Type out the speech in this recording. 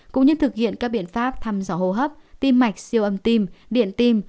cũng như thực hiện các biện pháp thăm dò hô hấp tim mạch siêu âm tim điện tim